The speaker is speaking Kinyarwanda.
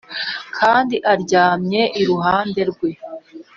kandi aryamye iruhande rwe. ”